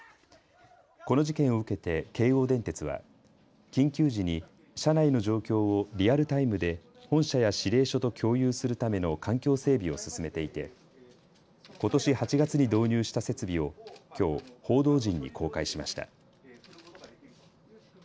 この事件を受けて京王電鉄は緊急時に車内の状況をリアルタイムで本社や指令所と共有するための環境整備を進めていてことし８月に導入した設備をきょう報道陣に公開しました。